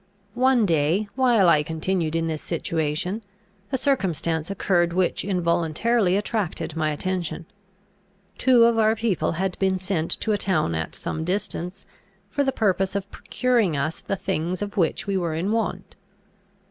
One day, while I continued in this situation, a circumstance occurred which involuntarily attracted my attention. Two of our people had been sent to a town at some distance, for the purpose of procuring us the things of which we were in want.